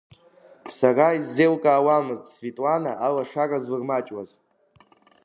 Сара исзеил-каауамызт Светлана алашара злырмаҷуаз.